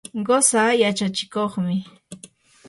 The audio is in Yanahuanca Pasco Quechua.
qusaa yachachiqmi.